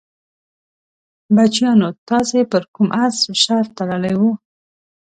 بچیانو تاسې پر کوم اس شرط تړلی وو؟